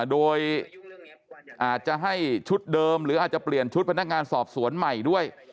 โดยอาจจะให้ชุดเดิมหรืออาจจะเปลี่ยนชุดพนักงานสอบสวนใหม่ด้วย